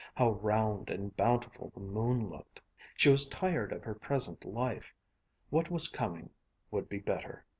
How round and bountiful the moon looked. She was tired of her present life. What was coming would be better.